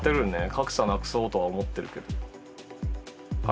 格差なくそうとは思ってるけど。